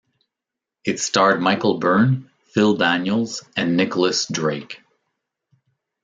It starred Michael Byrne, Phil Daniels and Nicholas Drake.